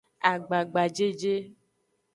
Agbagbajeje.